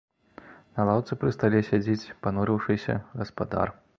На лаўцы пры стале сядзіць, панурыўшыся, гаспадар.